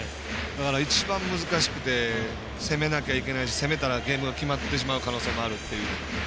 一番難しくて攻めなくちゃいけないし攻めたらゲームが決まってしまう可能性があるという。